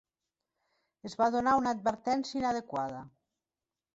Es va donar una advertència inadequada.